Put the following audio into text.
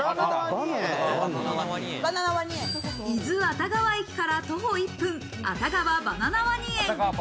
伊豆熱川駅から徒歩１分、熱川バナナワニ園。